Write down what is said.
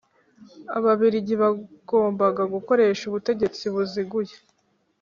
ababiligi bagombaga gukoresha ubutegetsi buziguye